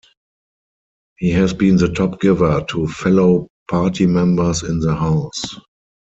He has been the top giver to fellow party members in the House.